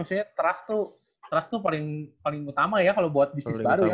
maksudnya trust tuh paling utama ya kalo buat bisnis baru ya